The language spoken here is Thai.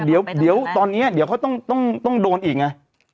เกิดไว้ต่อนี้เดี๋ยวมันต้องโดนอีกนะ